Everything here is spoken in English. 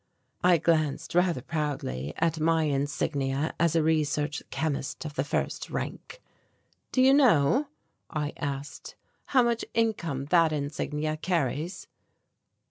I glanced rather proudly at my insignia as a research chemist of the first rank. "Do you know," I asked, "how much income that insignia carries?"